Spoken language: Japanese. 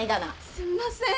すんません。